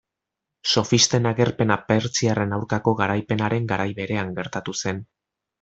Sofisten agerpena pertsiarren aurkako garaipenaren garai berean gertatu zen.